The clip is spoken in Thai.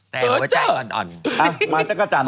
แต่พ่อตังค์มันอ่อน